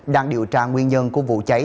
đang điều tra nguyên nhân của vụ cháy